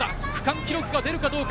区間記録が出るかどうか。